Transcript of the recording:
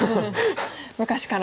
昔から。